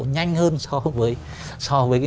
nhanh hơn so với